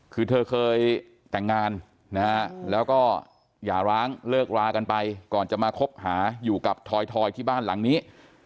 คือเธอเคยแต่งงานนะฮะแล้วก็อย่าร้างเลิกรากันไปก่อนจะมาคบหาอยู่กับทอยที่บ้านหลังนี้